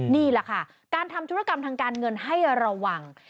นี่แหละค่ะการทำธุรกรรมทางการเงินให้ระวัง